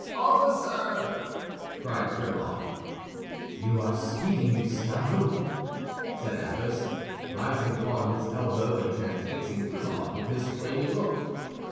"Officer!" cried Grimaud. "You are speaking, you scoundrel!" said Athos, rising upon his elbow, and transfixing Grimaud with his flaming look.